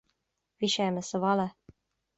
Bhí Séamus sa bhaile